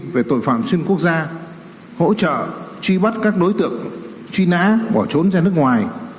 về tội phạm xuyên quốc gia hỗ trợ truy bắt các đối tượng truy nã bỏ trốn ra nước ngoài